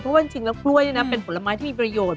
เพราะว่าจริงแล้วกล้วยเป็นผลไม้ที่มีประโยชน์